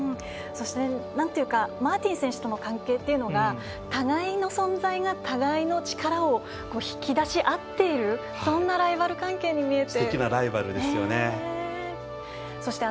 マーティン選手との関係というのが互いの存在が互いの力を引き出し合っているそんなライバル関係に見えて。